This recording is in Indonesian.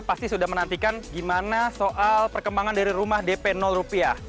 pasti sudah menantikan gimana soal perkembangan dari rumah dp rupiah